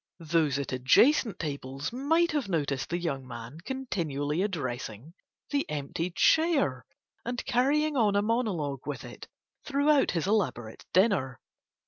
Those at adjacent tables might have noticed the young man continually addressing the empty chair and carrying on a monologue with it throughout his elaborate dinner.